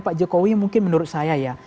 pak jokowi mungkin menurut saya ya